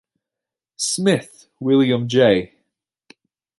Smith, William Jay.